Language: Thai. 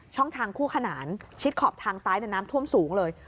ช่องทางคู่ขนานชิดขอบทางซ้ายแล้วน้ำท่วมสูงค่ะ